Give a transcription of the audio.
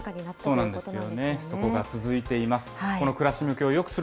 そこが続いています。